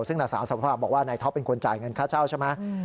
ซึ่งนางสาวสภาพบอกว่านายท็อปเป็นคนจ่ายเงินค่าเช่าใช่ไหม